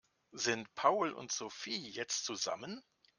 Sind Paul und Sophie jetzt zusammen?